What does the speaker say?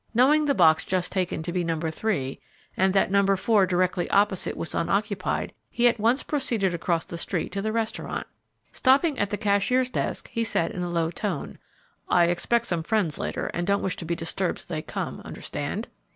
Knowing the box just taken to be No. 3, and that No. 4 directly opposite was unoccupied, he at once proceeded across the street to the restaurant. Stopping at the cashier's desk, he said in a low tone, "I expect some friends later, and don't wish to be disturbed till they come; understand?"